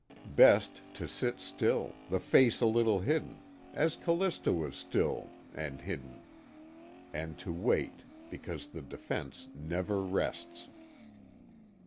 Best to sit still, the face a little hidden, as Callista was still, and hidden. And to wait, because the defense never rests.